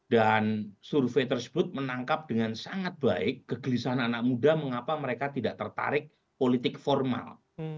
dan survei tersebut menangkap dengan sangat baik kegelisahan anak muda mengapa mereka tidak tertarik politik formal